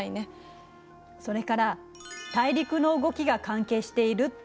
それから大陸の動きが関係しているっていう説もあるわ。